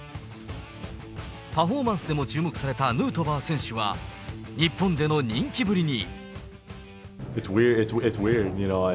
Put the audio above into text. パフォーマンスでも注目されたヌートバー選手は、日本での人気ぶりに。